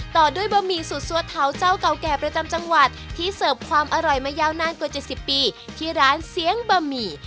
ต่อด้วยบะหมี่สุดซัวเท้าเจ้าเก่าแก่ประจำจังหวัดที่เสิร์ฟความอร่อยมายาวนานกว่า๗๐ปีที่ร้านเสียงบะหมี่